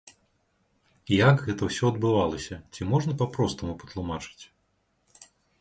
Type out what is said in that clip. Як гэта ўсё адбывалася, ці можна па-простаму патлумачыць?